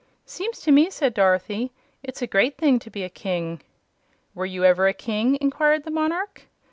"Seems to me," said Dorothy, "it's a great thing to be a King." "Were you ever a King?" inquired the monarch.